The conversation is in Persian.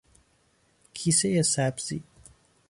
کیسه سبزی